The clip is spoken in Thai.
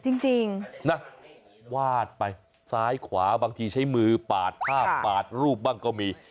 จริงนะวาดไปซ้ายขวาบางทีใช้มือปาดภาพปาดรูปบ้างก็มี